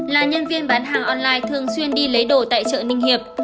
là nhân viên bán hàng online thường xuyên đi lấy đồ tại chợ ninh hiệp